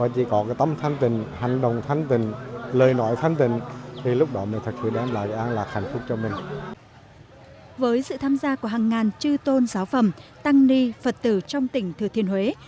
với sự tham gia của hàng ngàn chư tôn giáo phẩm tăng ni phật tử trong tỉnh thừa thiên huế